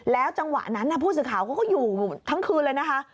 จังหวะนั้นผู้สื่อข่าวเขาก็อยู่ทั้งคืนเลยนะคะ